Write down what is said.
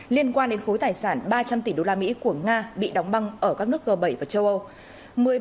liên quan đến khối tài sản ba trăm linh tỷ đô la mỹ của nga bị đóng băng ở các nước g bảy và châu âu